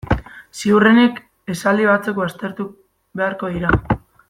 Ziurrenik esaldi batzuk baztertu beharko dira.